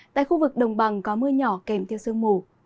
tại khu vực đồng bằng có mưa nhỏ kèm theo sương mù